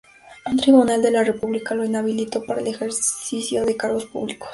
Un tribunal de la República lo inhabilitó para el ejercicio de cargos públicos.